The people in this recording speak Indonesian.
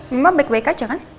memang baik baik aja kan